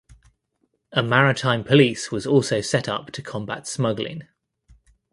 A Maritime Police was also set up to combat smuggling.